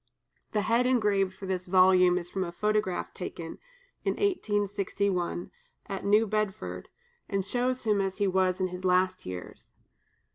The head engraved for this volume is from a photograph taken, in 1861, at New Bedford, and shows him as he was in his last years.